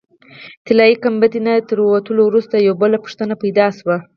طلایي ګنبدې نه تر وتلو وروسته یوه بله پوښتنه پیدا شوه.